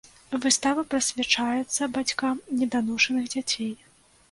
Выстава прысвячаецца бацькам неданошаных дзяцей.